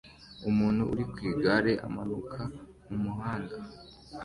Umuntu uri ku igare amanuka mu muhanda